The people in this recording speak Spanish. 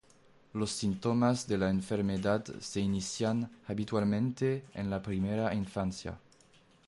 Los síntomas de la enfermedad se inician habitualmente en la primera infancia.